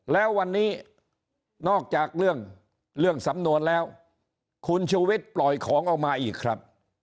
แล้ววันนี้นอกจากเรื่องสำนวนแล้วคุณชูวิทย์ปล่อยของออกมาอีกครับ